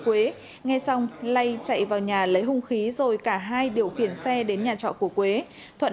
quế nghe xong lay chạy vào nhà lấy hung khí rồi cả hai điều khiển xe đến nhà trọ của quế thuận